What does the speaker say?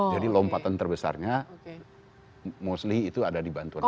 jadi lompatan terbesarnya mostly itu ada di bantuan sosial